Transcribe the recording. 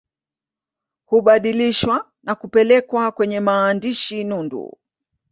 Hubadilishwa na kupelekwa kwenye maandishi nundu